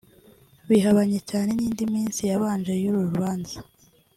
Bihabanye cyane n’indi minsi yabanje y’uru rubanza